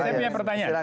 saya punya pertanyaan